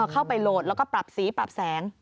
เข้าไปโหลดแล้วก็ปรับสีปรับแสง